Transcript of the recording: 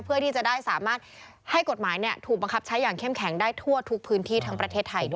เพื่อที่จะได้สามารถให้กฎหมายถูกบังคับใช้อย่างเข้มแข็งได้ทั่วทุกพื้นที่ทั้งประเทศไทยด้วย